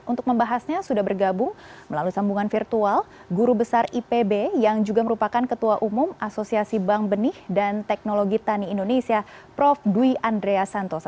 untuk membahasnya sudah bergabung melalui sambungan virtual guru besar ipb yang juga merupakan ketua umum asosiasi bank benih dan teknologi tani indonesia prof dwi andreas santosa